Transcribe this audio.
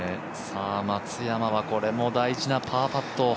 松山はこれも大事なパーパット。